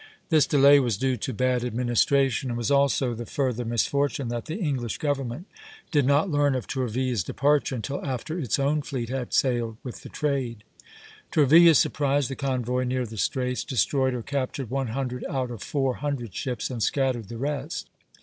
This delay was due to bad administration, as was also the further misfortune that the English government did not learn of Tourville's departure until after its own fleet had sailed with the trade. Tourville surprised the convoy near the Straits, destroyed or captured one hundred out of four hundred ships, and scattered the rest.